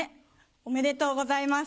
おめでとうございます。